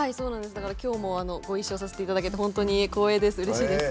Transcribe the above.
今日もご一緒させていただけて本当に光栄です。